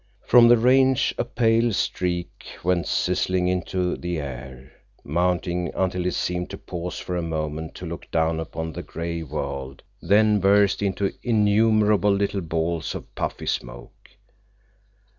From the range a pale streak went sizzling into the air, mounting until it seemed to pause for a moment to look down upon the gray world, then burst into innumerable little balls of puffy smoke.